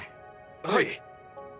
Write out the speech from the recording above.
はい！